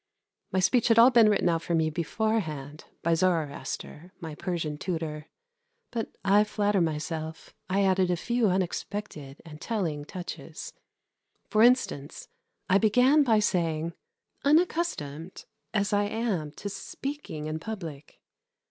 My speech had all been written out for me beforehand by Zoroaster, my Persian tutor; but I flatter myself I added a few unexpected and telling touches. For instance, I began by saying: "Unaccustomed as I am to speaking in public